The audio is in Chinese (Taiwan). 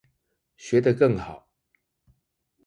學得更好